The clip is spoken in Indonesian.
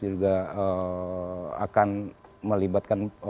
juga akan melibatkan